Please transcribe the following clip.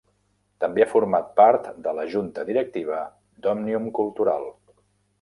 També ha format part de la Junta Directiva d'Òmnium Cultural.